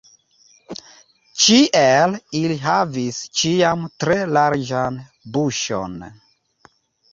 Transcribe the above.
Ĉiel ili havis ĉiam tre larĝan buŝon.